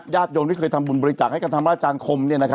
ญาติยงที่ทำบุญบริจาคได้มาทำอาจารย์คม